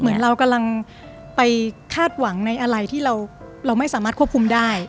เหมือนเรากำลังไปคาดหวังในอะไรที่เราไม่สามารถควบคุมได้